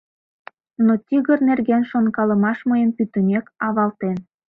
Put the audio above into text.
Но тигр нерген шонкалымаш мыйым пӱтынек авалтен.